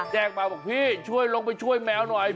แจ้งมาบอกพี่ช่วยลงไปช่วยแมวหน่อย